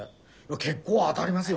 結構当だりますよ。